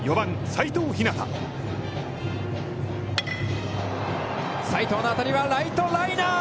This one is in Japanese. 斎藤の当たりはライトライナー。